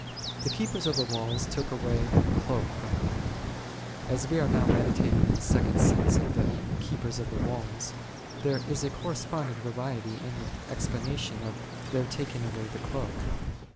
The keepers of the walls took away my cloak from me. As we are now meditating on a second sense of the keepers of the walls, there is a corresponding variety in the explanation of their taking away the cloak.